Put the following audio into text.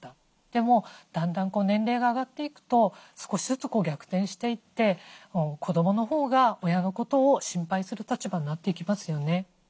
でもだんだん年齢が上がっていくと少しずつ逆転していって子どものほうが親のことを心配する立場になっていきますよね。